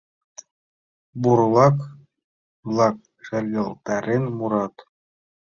Бурлак-влак шергылтарен мурат: